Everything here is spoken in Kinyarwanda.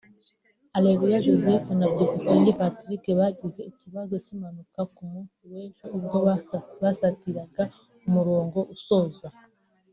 Areruya Joseph na Byukusenge Patrick bagize ikibazo cy’impanuka ku munsi wejo ubwo basatiraga umurongo usoza